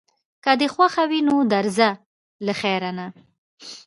که دې خوښه وي نو درځه له خیره، نه.